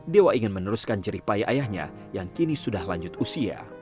dewa ingin meneruskan ceri payah ayahnya yang kini sudah lanjut usia